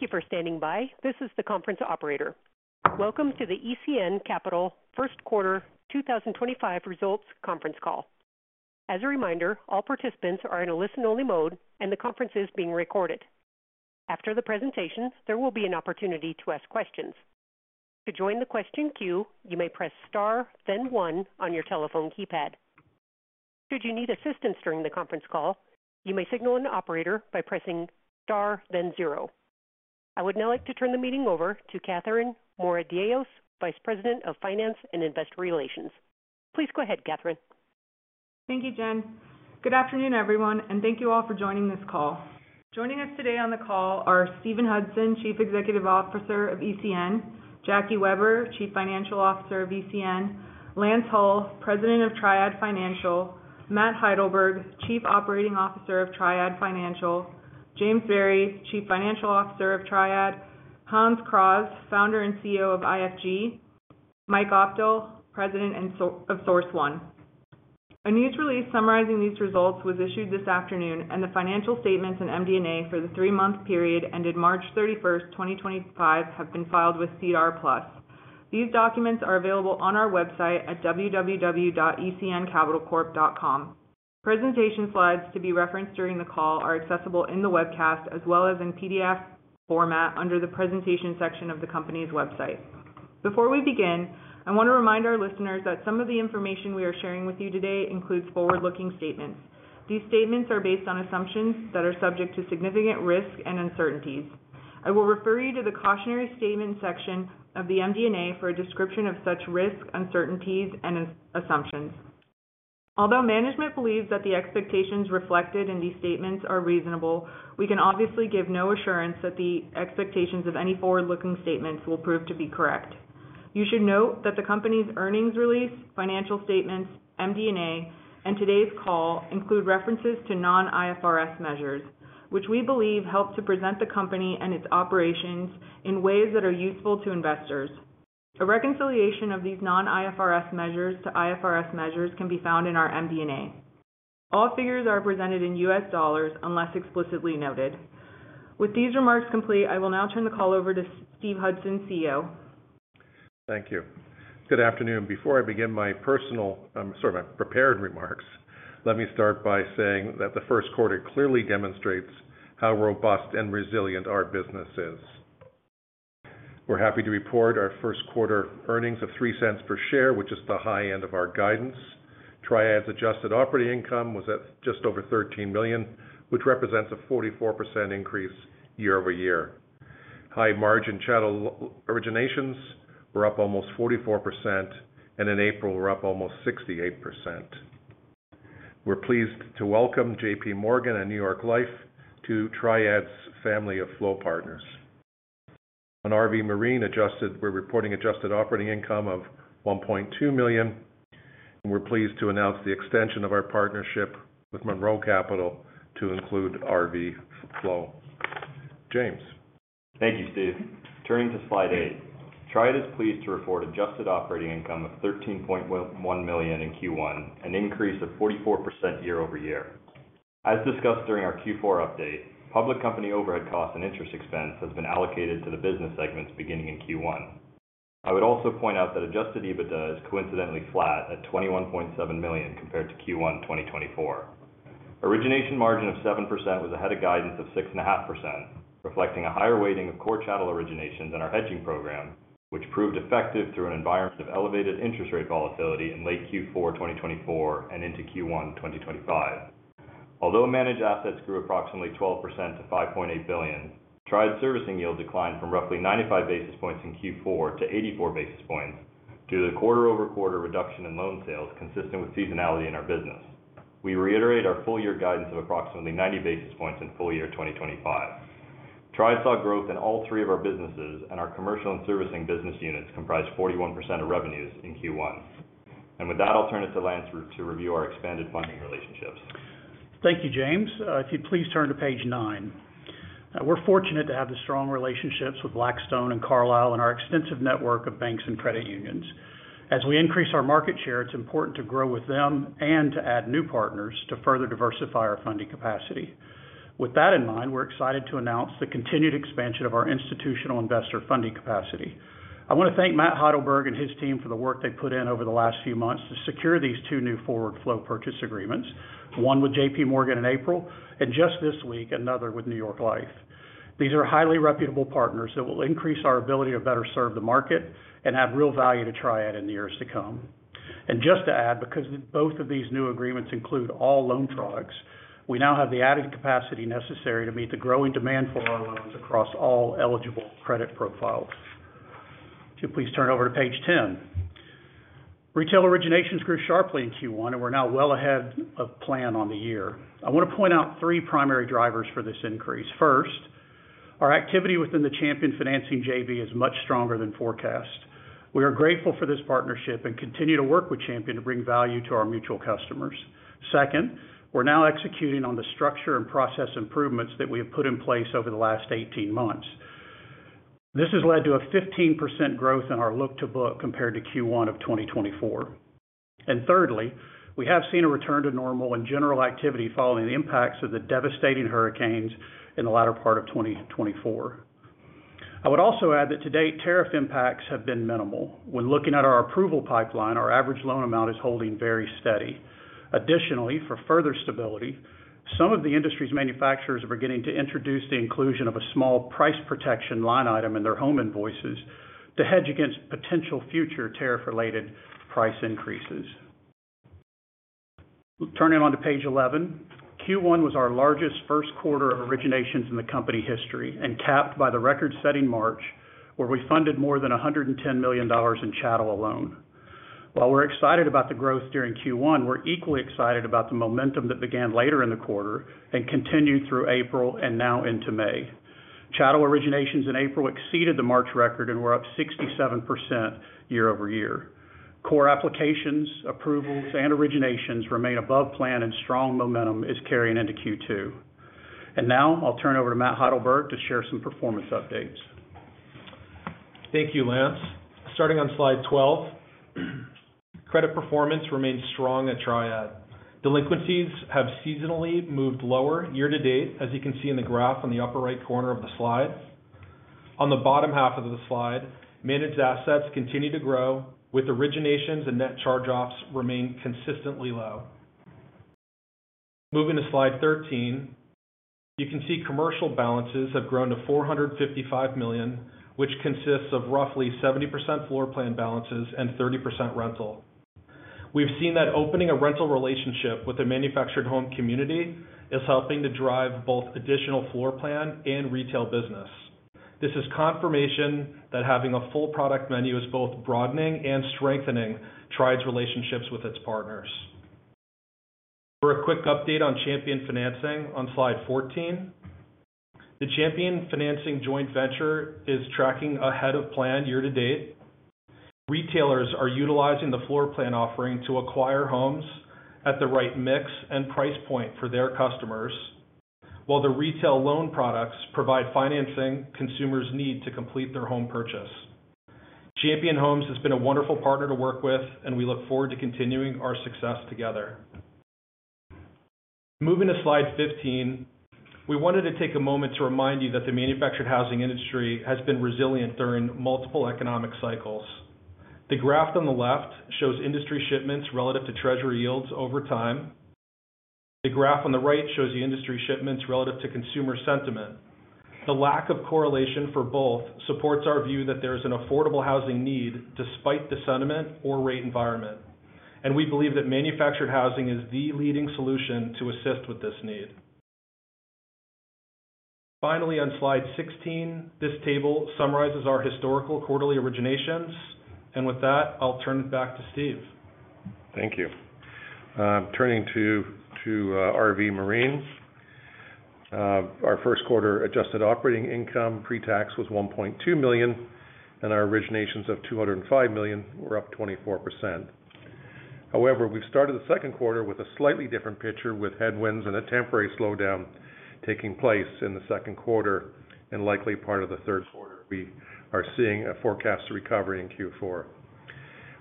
Thank you for standing by. This is the conference operator. Welcome to the ECN Capital First Quarter 2025 Results Conference Call. As a reminder, all participants are in a listen-only mode, and the conference is being recorded. After the presentation, there will be an opportunity to ask questions. To join the question queue, you may press *, then one, on your telephone keypad. Should you need assistance during the conference call, you may signal an operator by pressing *, then zero. I would now like to turn the meeting over to Katherine Moradiellos, Vice President of Finance and Investor Relations. Please go ahead, Katherine. Thank you, Jen. Good afternoon, everyone, and thank you all for joining this call. Joining us today on the call are Steven Hudson, Chief Executive Officer of ECN Capital; Jackie Weber, Chief Financial Officer of ECN Capital; Lance Hull, President of Triad Financial; Matt Heidelberg, Chief Operating Officer of Triad Financial; James Berry, Chief Financial Officer of Triad Financial; Hans Kraaz, Founder and CEO of IFG; Mike Opdahl, President of Source One. A news release summarizing these results was issued this afternoon, and the financial statements and MD&A for the three-month period ended March 31, 2025, have been filed with SEDAR+. These documents are available on our website at www.ecncapitalcorp.com. Presentation slides to be referenced during the call are accessible in the webcast as well as in PDF format under the presentation section of the company's website. Before we begin, I want to remind our listeners that some of the information we are sharing with you today includes forward-looking statements. These statements are based on assumptions that are subject to significant risk and uncertainties. I will refer you to the cautionary statement section of the MD&A for a description of such risk, uncertainties, and assumptions. Although management believes that the expectations reflected in these statements are reasonable, we can obviously give no assurance that the expectations of any forward-looking statements will prove to be correct. You should note that the company's earnings release, financial statements, MD&A, and today's call include references to non-IFRS measures, which we believe help to present the company and its operations in ways that are useful to investors. A reconciliation of these non-IFRS measures to IFRS measures can be found in our MD&A. All figures are presented in U.S. dollars unless explicitly noted. With these remarks complete, I will now turn the call over to Steven Hudson, CEO. Thank you. Good afternoon. Before I begin my personal—I'm sorry, my prepared remarks—let me start by saying that the first quarter clearly demonstrates how robust and resilient our business is. We're happy to report our first quarter earnings of $0.03 per share, which is the high end of our guidance. Triad's adjusted operating income was at just over $13 million, which represents a 44% increase year over year. High margin channel originations were up almost 44%, and in April, were up almost 68%. We're pleased to welcome JPMorgan and New York Life to Triad's family of flow partners. On RV Marine, we're reporting adjusted operating income of $1.2 million, and we're pleased to announce the extension of our partnership with Monroe Capital to include RV flow. James. Thank you, Steve. Turning to slide eight, Triad is pleased to report adjusted operating income of $13.1 million in Q1, an increase of 44% year over year. As discussed during our Q4 update, public company overhead costs and interest expense have been allocated to the business segments beginning in Q1. I would also point out that adjusted EBITDA is coincidentally flat at $21.7 million compared to Q1 2024. Origination margin of 7% was ahead of guidance of 6.5%, reflecting a higher weighting of core channel originations in our hedging program, which proved effective through an environment of elevated interest rate volatility in late Q4 2024 and into Q1 2025. Although managed assets grew approximately 12% to $5.8 billion, Triad's servicing yield declined from roughly 95 basis points in Q4 to 84 basis points due to the quarter-over-quarter reduction in loan sales consistent with seasonality in our business. We reiterate our full-year guidance of approximately 90 basis points in full year 2025. Triad saw growth in all three of our businesses, and our commercial and servicing business units comprised 41% of revenues in Q1. With that, I'll turn it to Lance to review our expanded funding relationships. Thank you, James. If you'd please turn to page nine. We're fortunate to have the strong relationships with Blackstone and Carlyle and our extensive network of banks and credit unions. As we increase our market share, it's important to grow with them and to add new partners to further diversify our funding capacity. With that in mind, we're excited to announce the continued expansion of our institutional investor funding capacity. I want to thank Matt Heidelberg and his team for the work they've put in over the last few months to secure these two new forward flow purchase agreements, one with JPMorgan in April and just this week, another with New York Life. These are highly reputable partners that will increase our ability to better serve the market and add real value to Triad in the years to come. Just to add, because both of these new agreements include all loan products, we now have the added capacity necessary to meet the growing demand for our loans across all eligible credit profiles. If you'd please turn over to page ten. Retail originations grew sharply in Q1, and we're now well ahead of plan on the year. I want to point out three primary drivers for this increase. First, our activity within the Champion Financing JV is much stronger than forecast. We are grateful for this partnership and continue to work with Champion to bring value to our mutual customers. Second, we're now executing on the structure and process improvements that we have put in place over the last 18 months. This has led to a 15% growth in our look-to-book compared to Q1 of 2024. Thirdly, we have seen a return to normal in general activity following the impacts of the devastating hurricanes in the latter part of 2024. I would also add that to date, tariff impacts have been minimal. When looking at our approval pipeline, our average loan amount is holding very steady. Additionally, for further stability, some of the industry's manufacturers are beginning to introduce the inclusion of a small price protection line item in their home invoices to hedge against potential future tariff-related price increases. Turning on to page 11, Q1 was our largest first quarter of originations in the company history and capped by the record-setting March, where we funded more than $110 million in channel alone. While we're excited about the growth during Q1, we're equally excited about the momentum that began later in the quarter and continued through April and now into May. Channel originations in April exceeded the March record and were up 67% year over year. Core applications, approvals, and originations remain above plan, and strong momentum is carrying into Q2. I will now turn it over to Matt Heidelberg to share some performance updates. Thank you, Lance. Starting on slide 12, credit performance remains strong at Triad. Delinquencies have seasonally moved lower year to date, as you can see in the graph on the upper right corner of the slide. On the bottom half of the slide, managed assets continue to grow, with originations and net charge-offs remaining consistently low. Moving to slide 13, you can see commercial balances have grown to $455 million, which consists of roughly 70% floor plan balances and 30% rental. We've seen that opening a rental relationship with the manufactured home community is helping to drive both additional floor plan and retail business. This is confirmation that having a full product menu is both broadening and strengthening Triad's relationships with its partners. For a quick update on Champion Financing, on slide 14, the Champion Financing joint venture is tracking ahead of plan year to date. Retailers are utilizing the floor plan offering to acquire homes at the right mix and price point for their customers, while the retail loan products provide financing consumers need to complete their home purchase. Champion Homes has been a wonderful partner to work with, and we look forward to continuing our success together. Moving to slide 15, we wanted to take a moment to remind you that the manufactured housing industry has been resilient during multiple economic cycles. The graph on the left shows industry shipments relative to treasury yields over time. The graph on the right shows the industry shipments relative to consumer sentiment. The lack of correlation for both supports our view that there is an affordable housing need despite the sentiment or rate environment. We believe that manufactured housing is the leading solution to assist with this need. Finally, on slide 16, this table summarizes our historical quarterly originations. With that, I'll turn it back to Steve. Thank you. Turning to RV Marine, our first quarter adjusted operating income pre-tax was $1.2 million, and our originations of $205 million were up 24%. However, we've started the second quarter with a slightly different picture, with headwinds and a temporary slowdown taking place in the second quarter, and likely part of the third quarter, we are seeing a forecast recovery in Q4.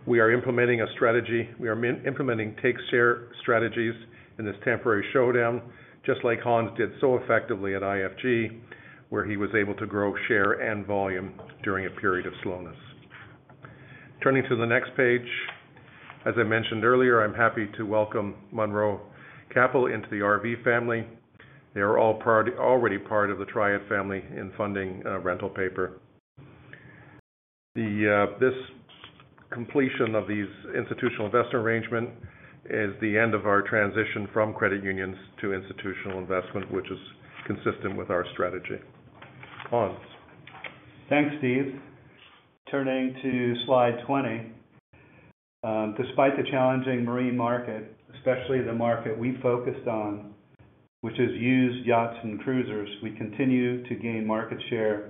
We are implementing a strategy. We are implementing take-share strategies in this temporary slowdown, just like Hans did so effectively at IFG, where he was able to grow share and volume during a period of slowness. Turning to the next page, as I mentioned earlier, I'm happy to welcome Monroe Capital into the RV family. They are already part of the Triad family in funding rental paper. This completion of these institutional investor arrangements is the end of our transition from credit unions to institutional investment, which is consistent with our strategy. Hans. Thanks, Steve. Turning to slide 20, despite the challenging marine market, especially the market we focused on, which is used yachts and cruisers, we continue to gain market share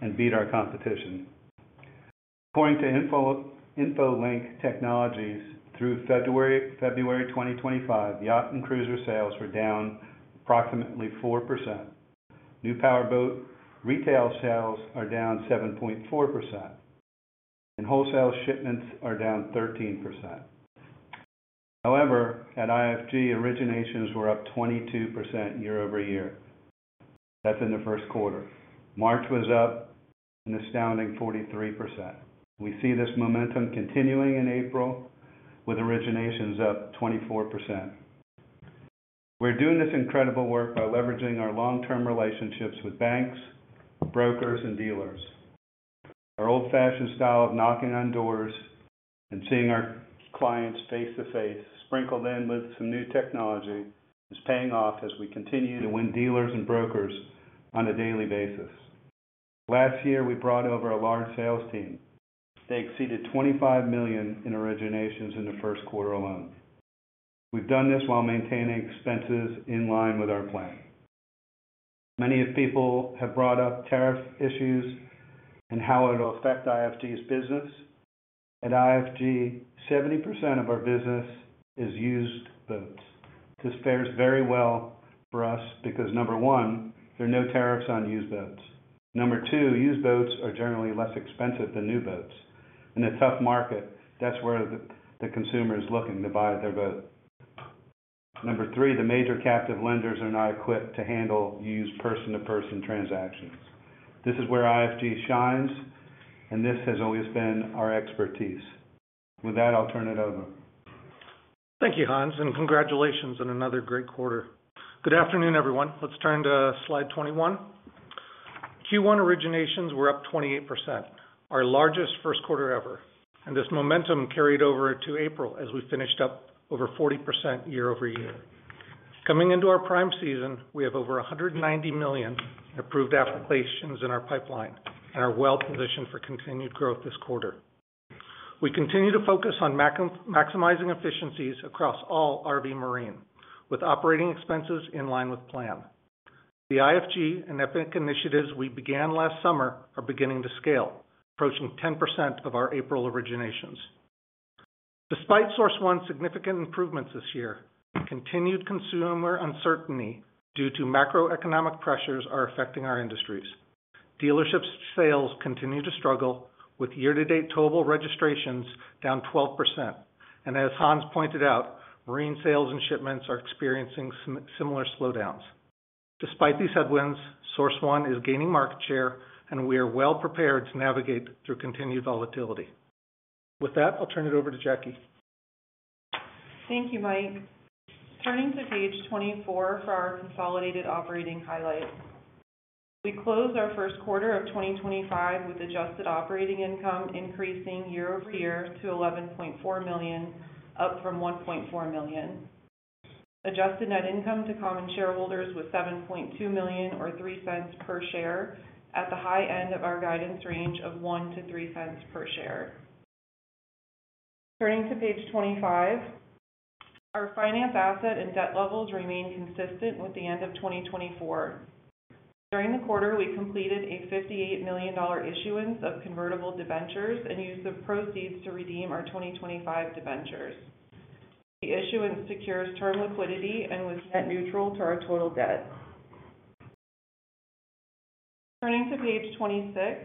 and beat our competition. According to Infolink Technologies, through February 2025, yacht and cruiser sales were down approximately 4%. New powerboat retail sales are down 7.4%, and wholesale shipments are down 13%. However, at IFG, originations were up 22% year over year. That's in the first quarter. March was up an astounding 43%. We see this momentum continuing in April, with originations up 24%. We're doing this incredible work by leveraging our long-term relationships with banks, brokers, and dealers. Our old-fashioned style of knocking on doors and seeing our clients face-to-face, sprinkled in with some new technology, is paying off as we continue to win dealers and brokers on a daily basis. Last year, we brought over a large sales team. They exceeded $25 million in originations in the first quarter alone. We've done this while maintaining expenses in line with our plan. Many people have brought up tariff issues and how it will affect IFG's business. At IFG, 70% of our business is used boats. This fares very well for us because, number one, there are no tariffs on used boats. Number two, used boats are generally less expensive than new boats. In a tough market, that's where the consumer is looking to buy their boat. Number three, the major captive lenders are not equipped to handle used person-to-person transactions. This is where IFG shines, and this has always been our expertise. With that, I'll turn it over. Thank you, Hans, and congratulations on another great quarter. Good afternoon, everyone. Let's turn to slide 21. Q1 originations were up 28%, our largest first quarter ever. This momentum carried over to April as we finished up over 40% year over year. Coming into our prime season, we have over $190 million in approved applications in our pipeline and are well positioned for continued growth this quarter. We continue to focus on maximizing efficiencies across all RV Marine, with operating expenses in line with plan. The IFG and Epic initiatives we began last summer are beginning to scale, approaching 10% of our April originations. Despite Source One's significant improvements this year, continued consumer uncertainty due to macroeconomic pressures is affecting our industries. Dealership sales continue to struggle, with year-to-date total registrations down 12%. As Hans pointed out, marine sales and shipments are experiencing similar slowdowns. Despite these headwinds, Source One is gaining market share, and we are well prepared to navigate through continued volatility. With that, I'll turn it over to Jackie. Thank you, Mike. Turning to page 24 for our consolidated operating highlights, we close our first quarter of 2025 with adjusted operating income increasing year over year to $11.4 million, up from $1.4 million. Adjusted net income to common shareholders was $7.2 million, or $0.03 per share, at the high end of our guidance range of $0.01-$0.03 per share. Turning to page 25, our finance asset and debt levels remain consistent with the end of 2024. During the quarter, we completed a $58 million issuance of convertible debentures and used the proceeds to redeem our 2025 debentures. The issuance secures term liquidity and was net neutral to our total debt. Turning to page 26,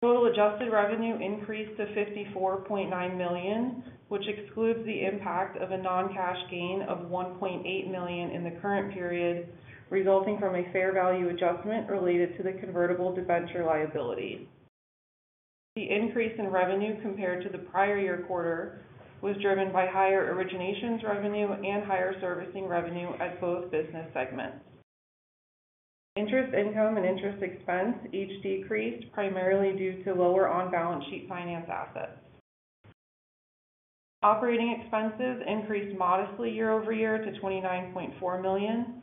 total adjusted revenue increased to $54.9 million, which excludes the impact of a non-cash gain of $1.8 million in the current period, resulting from a fair value adjustment related to the convertible debenture liability. The increase in revenue compared to the prior year quarter was driven by higher originations revenue and higher servicing revenue at both business segments. Interest income and interest expense each decreased primarily due to lower on-balance sheet finance assets. Operating expenses increased modestly year over year to $29.4 million.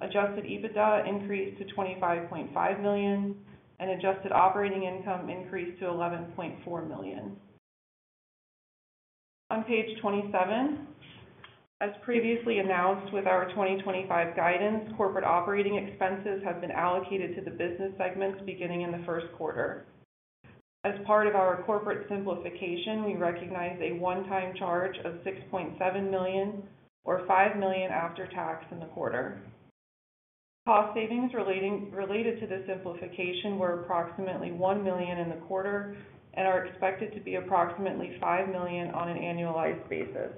Adjusted EBITDA increased to $25.5 million, and adjusted operating income increased to $11.4 million. On page 27, as previously announced with our 2025 guidance, corporate operating expenses have been allocated to the business segments beginning in the first quarter. As part of our corporate simplification, we recognize a one-time charge of $6.7 million, or $5 million after tax in the quarter. Cost savings related to the simplification were approximately $1 million in the quarter and are expected to be approximately $5 million on an annualized basis.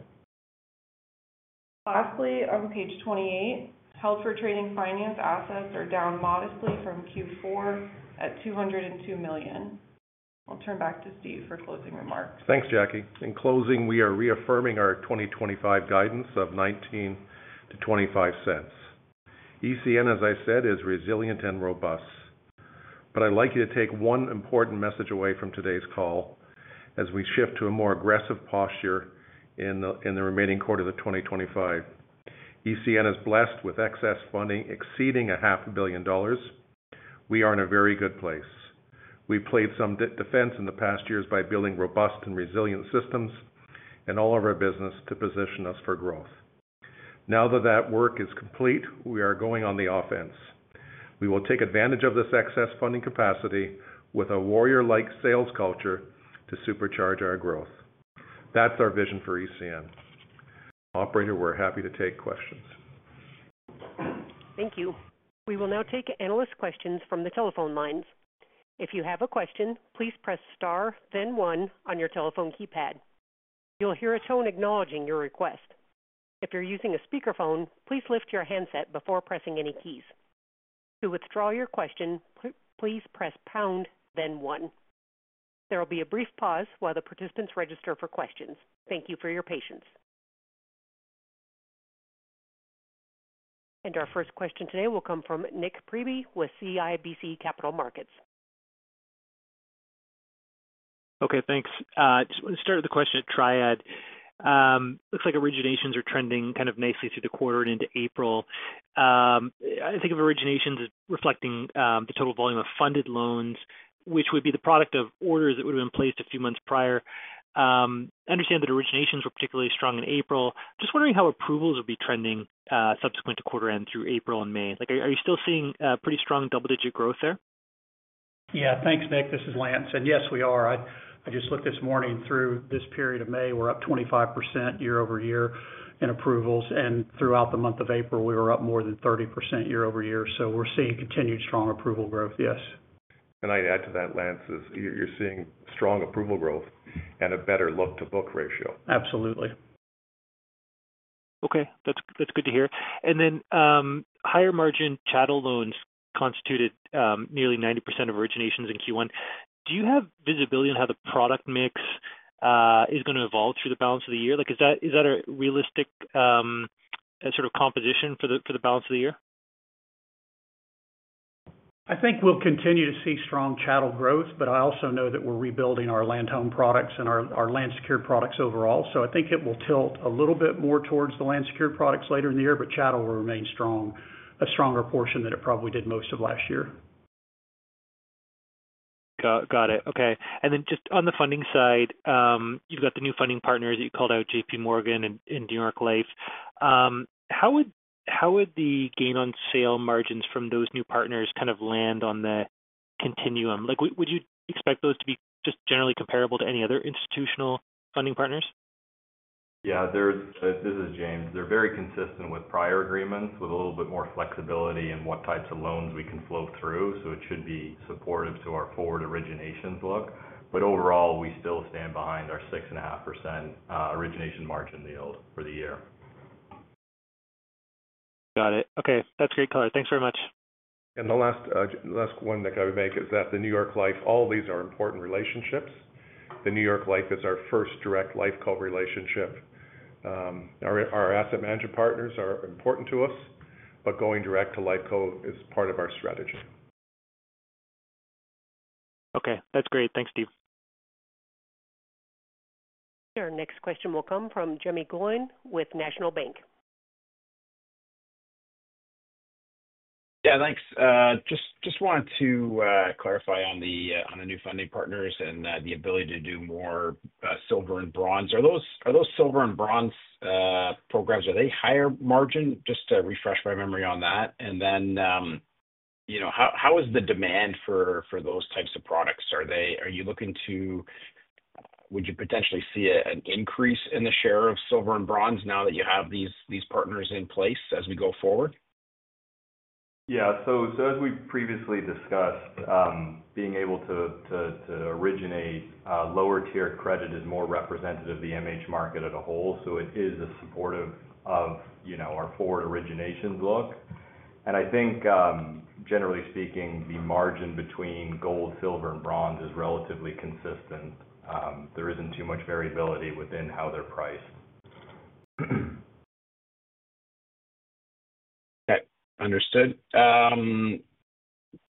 Lastly, on page 28, held for trading finance assets are down modestly from Q4 at $202 million. I'll turn back to Steve for closing remarks. Thanks, Jackie. In closing, we are reaffirming our 2025 guidance of $0.19-$0.25. ECN, as I said, is resilient and robust. I would like you to take one important message away from today's call as we shift to a more aggressive posture in the remaining quarter of 2025. ECN is blessed with excess funding exceeding $500,000,000. We are in a very good place. We played some defense in the past years by building robust and resilient systems in all of our business to position us for growth. Now that that work is complete, we are going on the offense. We will take advantage of this excess funding capacity with a warrior-like sales culture to supercharge our growth. That is our vision for ECN. Operator, we are happy to take questions. Thank you. We will now take analyst questions from the telephone lines. If you have a question, please press star, then one on your telephone keypad. You'll hear a tone acknowledging your request. If you're using a speakerphone, please lift your handset before pressing any keys. To withdraw your question, please press pound, then one. There will be a brief pause while the participants register for questions. Thank you for your patience. Our first question today will come from Nik Priebe with CIBC Capital Markets. Okay, thanks. Just want to start with the question at Triad. Looks like originations are trending kind of nicely through the quarter and into April. I think of originations as reflecting the total volume of funded loans, which would be the product of orders that would have been placed a few months prior. I understand that originations were particularly strong in April. Just wondering how approvals would be trending subsequent to quarter-end through April and May. Are you still seeing pretty strong double-digit growth there? Yeah, thanks, Nik. This is Lance. Yes, we are. I just looked this morning through this period of May. We're up 25% year over year in approvals. Throughout the month of April, we were up more than 30% year over year. We're seeing continued strong approval growth, yes. I would add to that, Lance, you are seeing strong approval growth and a better look-to-book ratio. Absolutely. Okay, that's good to hear. Higher margin chattel loans constituted nearly 90% of originations in Q1. Do you have visibility on how the product mix is going to evolve through the balance of the year? Is that a realistic sort of composition for the balance of the year? I think we'll continue to see strong chattel growth, but I also know that we're rebuilding our land-owned products and our land-secured products overall. I think it will tilt a little bit more towards the land-secured products later in the year, but chattel will remain strong, a stronger portion than it probably did most of last year. Got it. Okay. And then just on the funding side, you've got the new funding partners that you called out, JPMorgan and New York Life. How would the gain-on-sale margins from those new partners kind of land on the continuum? Would you expect those to be just generally comparable to any other institutional funding partners? Yeah, this is James. They're very consistent with prior agreements, with a little bit more flexibility in what types of loans we can flow through. It should be supportive to our forward originations look. Overall, we still stand behind our 6.5% origination margin yield for the year. Got it. Okay, that's great. Thanks very much. The last one that I would make is that the New York Life, all of these are important relationships. The New York Life is our first direct Lifeco relationship. Our asset management partners are important to us, but going direct to Lifeco is part of our strategy. Okay, that's great. Thanks, Steve. Our next question will come from Jimmy Goin with National Bank. Yeah, thanks. Just wanted to clarify on the new funding partners and the ability to do more silver and bronze. Are those silver and bronze programs, are they higher margin? Just to refresh my memory on that. Then how is the demand for those types of products? Are you looking to—would you potentially see an increase in the share of silver and bronze now that you have these partners in place as we go forward? Yeah, as we previously discussed, being able to originate lower-tier credit is more representative of the MH market as a whole. It is supportive of our forward originations look. I think, generally speaking, the margin between gold, silver, and bronze is relatively consistent. There is not too much variability within how they are priced. Okay, understood.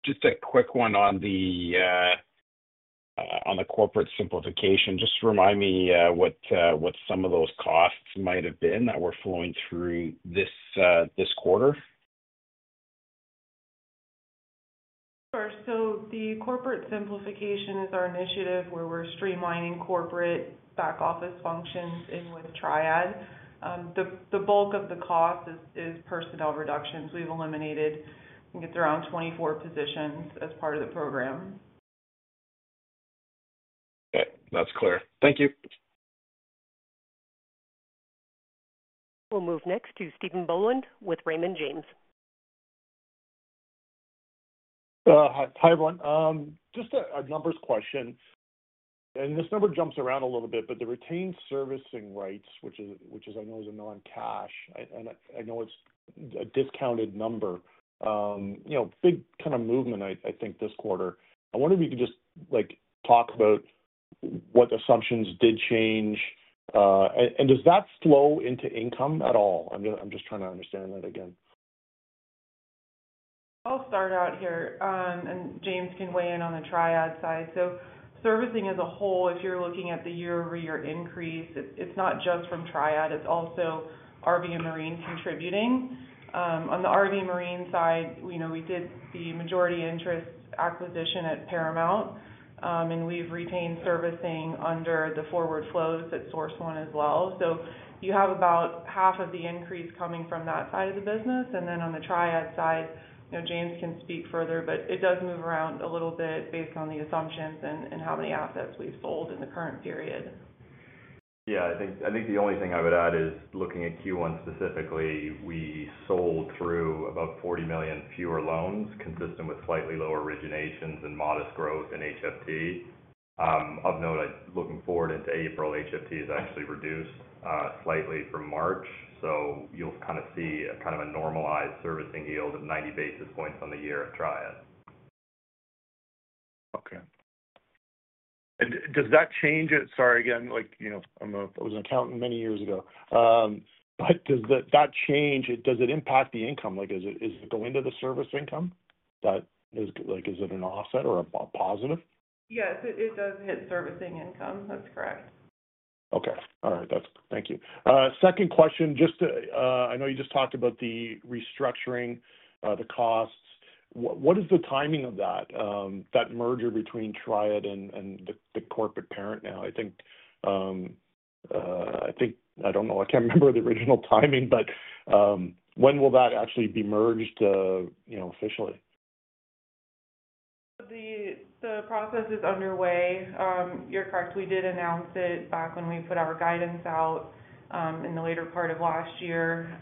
Just a quick one on the corporate simplification. Just remind me what some of those costs might have been that were flowing through this quarter. Sure. The corporate simplification is our initiative where we're streamlining corporate back office functions in with Triad. The bulk of the cost is personnel reductions. We've eliminated—I think it's around 24 positions as part of the program. Okay, that's clear. Thank you. We'll move next to Stephen Boland with Raymond James. Hi, everyone. Just a numbers question. This number jumps around a little bit, but the retained servicing rights, which I know is a non-cash, and I know it is a discounted number, big kind of movement, I think, this quarter. I wonder if you could just talk about what assumptions did change. Does that flow into income at all? I am just trying to understand that again. I'll start out here, and James can weigh in on the Triad side. Servicing as a whole, if you're looking at the year-over-year increase, it's not just from Triad. It's also RV and Marine contributing. On the RV Marine side, we did the majority interest acquisition at Paramount, and we've retained servicing under the forward flows at SourceOne as well. You have about half of the increase coming from that side of the business. On the Triad side, James can speak further, but it does move around a little bit based on the assumptions and how many assets we've sold in the current period. Yeah, I think the only thing I would add is looking at Q1 specifically, we sold through about $40 million fewer loans, consistent with slightly lower originations and modest growth in HFT. Of note, looking forward into April, HFT has actually reduced slightly from March. You will kind of see kind of a normalized servicing yield of 90 basis points on the year at Triad. Okay. Does that change it? Sorry, again, I'm an accountant many years ago. Does that change it? Does it impact the income? Does it go into the service income? Is it an offset or a positive? Yes, it does hit servicing income. That's correct. Okay. All right. Thank you. Second question, I know you just talked about the restructuring, the costs. What is the timing of that merger between Triad and the corporate parent now? I think—I don't know. I can't remember the original timing, but when will that actually be merged officially? The process is underway. You're correct. We did announce it back when we put our guidance out in the later part of last year.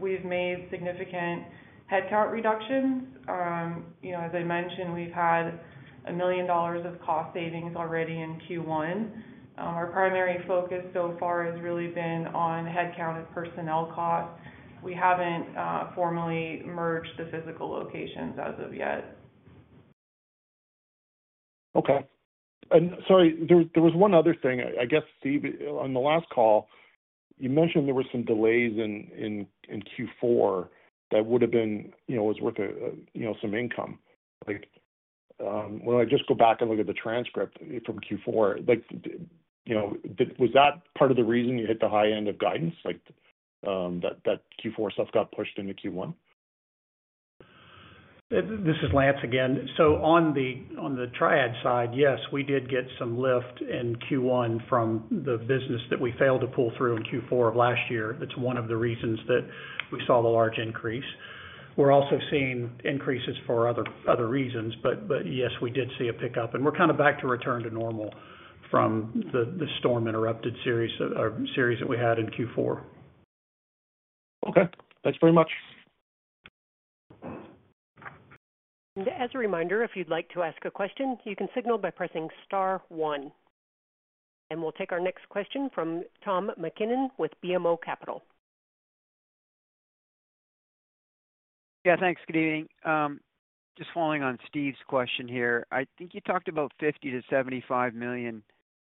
We've made significant headcount reductions. As I mentioned, we've had $1 million of cost savings already in Q1. Our primary focus so far has really been on headcount and personnel costs. We haven't formally merged the physical locations as of yet. Okay. Sorry, there was one other thing. I guess, Steve, on the last call, you mentioned there were some delays in Q4 that would have been worth some income. When I just go back and look at the transcript from Q4, was that part of the reason you hit the high end of guidance, that Q4 stuff got pushed into Q1? This is Lance again. On the Triad side, yes, we did get some lift in Q1 from the business that we failed to pull through in Q4 of last year. That is one of the reasons that we saw the large increase. We are also seeing increases for other reasons, but yes, we did see a pickup. We are kind of back to return to normal from the storm-interrupted series that we had in Q4. Okay. Thanks very much. As a reminder, if you'd like to ask a question, you can signal by pressing * one. We'll take our next question from Tom MacKinnon with BMO Capital. Yeah, thanks. Good evening. Just following on Steve's question here, I think you talked about $50 million-$75 million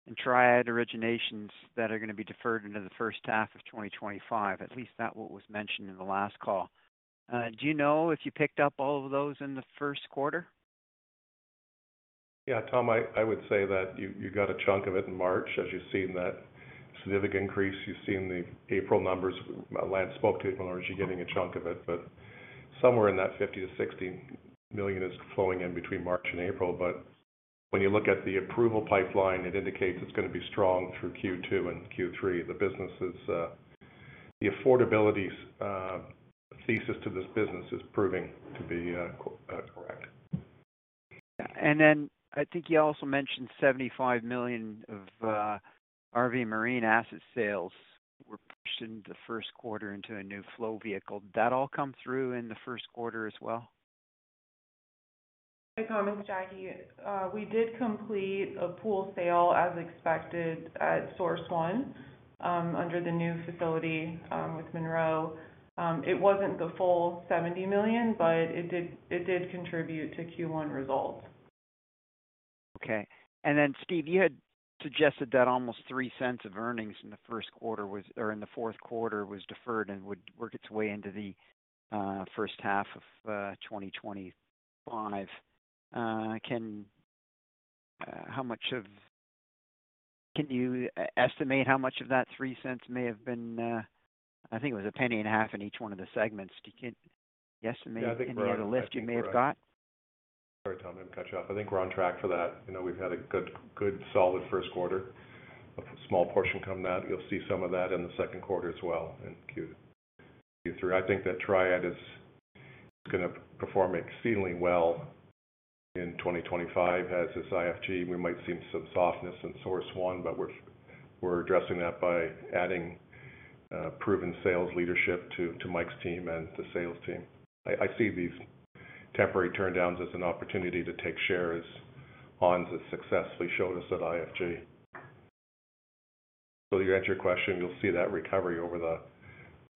in Triad originations that are going to be deferred into the first half of 2025. At least that's what was mentioned in the last call. Do you know if you picked up all of those in the first quarter? Yeah, Tom, I would say that you got a chunk of it in March. As you've seen that significant increase, you've seen the April numbers. Lance spoke to you earlier. You're getting a chunk of it. Somewhere in that $50 million-$60 million is flowing in between March and April. When you look at the approval pipeline, it indicates it's going to be strong through Q2 and Q3. The affordability thesis to this business is proving to be correct. Yeah. I think you also mentioned $75 million of RV Marine asset sales were pushed into the first quarter into a new flow vehicle. Did that all come through in the first quarter as well? Hey, Commons, Jackie. We did complete a pool sale as expected at SourceOne under the new facility with Monroe. It was not the full $70 million, but it did contribute to Q1 results. Okay. Steve, you had suggested that almost $0.03 of earnings in the first quarter or in the fourth quarter was deferred and would work its way into the first half of 2025. How much of—can you estimate how much of that $0.03 may have been? I think it was $0.015 in each one of the segments. Can you estimate any of the lift you may have got? Sorry, Tom, I'm going to cut you off. I think we're on track for that. We've had a good, solid first quarter, a small portion coming out. You'll see some of that in the second quarter as well in Q3. I think that Triad is going to perform exceedingly well in 2025 as is IFG. We might see some softness in SourceOne, but we're addressing that by adding proven sales leadership to Mike's team and the sales team. I see these temporary turndowns as an opportunity to take shares on that successfully showed us at IFG. To answer your question, you'll see that recovery over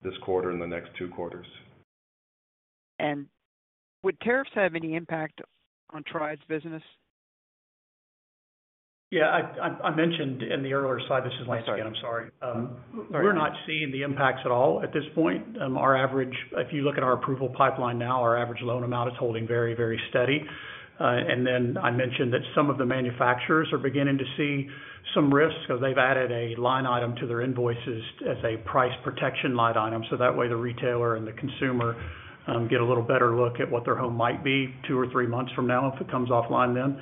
this quarter and the next two quarters. Would tariffs have any impact on Triad's business? Yeah, I mentioned in the earlier slide—this is Lance again. I'm sorry. We're not seeing the impacts at all at this point. If you look at our approval pipeline now, our average loan amount is holding very, very steady. I mentioned that some of the manufacturers are beginning to see some risk because they've added a line item to their invoices as a price protection line item. That way, the retailer and the consumer get a little better look at what their home might be two or three months from now if it comes offline then.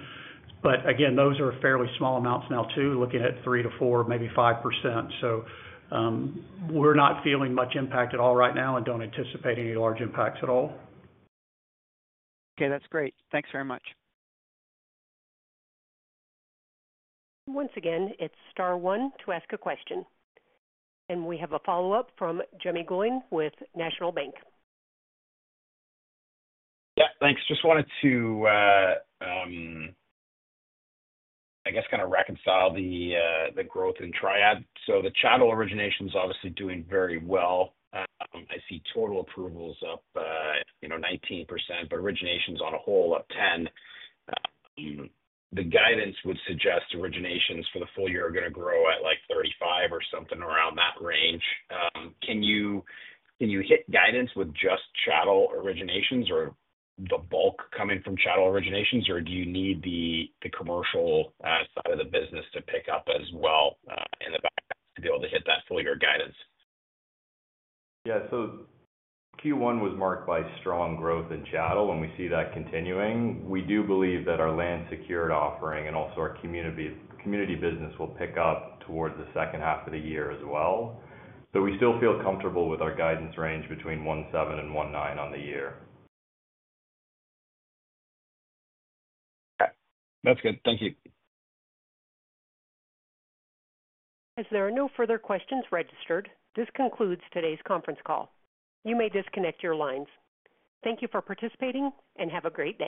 Those are fairly small amounts now too, looking at 3-4, maybe 5%. We're not feeling much impact at all right now and do not anticipate any large impacts at all. Okay, that's great. Thanks very much. Once again, it is * one to ask a question. We have a follow-up from Jimmy Goin with National Bank. Yeah, thanks. Just wanted to, I guess, kind of reconcile the growth in Triad. So the chattel origination is obviously doing very well. I see total approvals up 19%, but originations on a whole up 10%. The guidance would suggest originations for the full year are going to grow at like 35% or something around that range. Can you hit guidance with just chattel originations or the bulk coming from chattel originations, or do you need the commercial side of the business to pick up as well in the back to be able to hit that full year guidance? Yeah, so Q1 was marked by strong growth in chattel, and we see that continuing. We do believe that our land secured offering and also our community business will pick up towards the second half of the year as well. We still feel comfortable with our guidance range between $17 million and $19 million on the year. Okay. That's good. Thank you. As there are no further questions registered, this concludes today's conference call. You may disconnect your lines. Thank you for participating and have a great day.